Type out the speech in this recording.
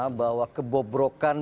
bersama bahwa kebobrokan